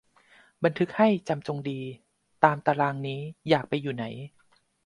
บันทึกให้จำจงดี ตามตารางนี้ อยากไปอยู่ไหน